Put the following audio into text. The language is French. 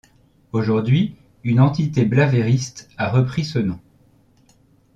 Aujourd'hui, une entité blavériste a repris ce nom.